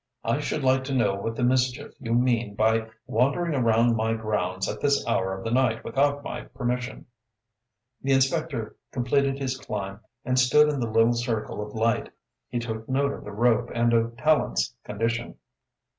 "I should like to know what the mischief you mean by wandering around my grounds at this hour of the night without my permission?" The inspector completed his climb and stood in the little circle of light. He took note of the rope and of Tallente's condition.